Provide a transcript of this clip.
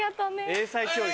英才教育。